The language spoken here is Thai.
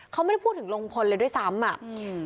เขาไม่ได้พูดถึงลุงพลเลยด้วยซ้ำอ่ะอืม